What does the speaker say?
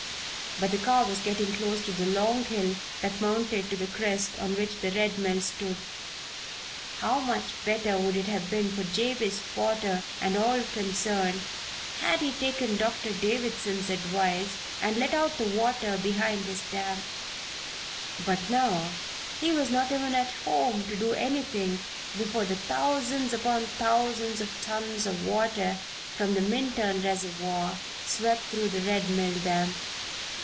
But the car was getting close to the long hill that mounted to the crest on which the Red Mill stood. How much better would it have been for Jabez Potter and all concerned had he taken Doctor Davison's advice and let out the water behind his dam! But now he was not even at home to do anything before the thousands upon thousands of tons of water from the Minturn reservoir swept through the Red Mill dam.